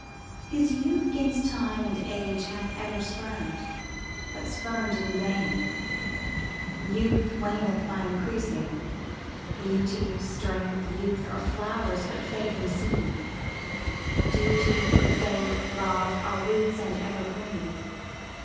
His youth 'gainst time and age hath ever spurn'd, But spurn'd in vain; youth waneth by increasing: Beauty, strength, youth, are flowers but fading seen; 5 Duty, faith, love, are roots, and ever green.